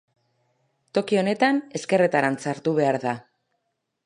Toki honetan, ezkerretarantz hartu behar da.